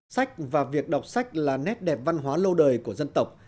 sách và việc đọc sách là nét đẹp văn hóa lâu đời của dân tộc